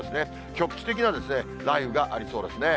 局地的な雷雨がありそうですね。